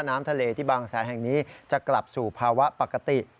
น้ำทะเลที่บางแสนแห่งนี้จะกลับสู่ภาวะปกติ